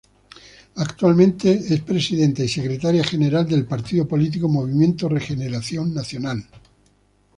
Actualmente es Presidenta y Secretaria General del partido político Movimiento Regeneración Nacional.